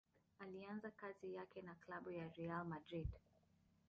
Alianza kazi yake na klabu ya Real Madrid.